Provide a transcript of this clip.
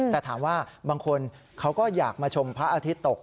แต่ถามว่าบางคนเขาก็อยากมาชมพระอาทิตย์ตก